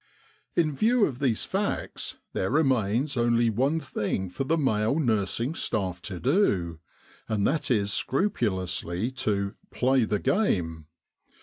" In view of these facts there remains only one thing for the male nursing staff to do, and that is scrupulously to ' play the game.'